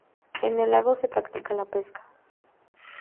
En el lago se practica la pesca.